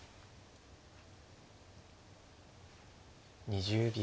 ２０秒。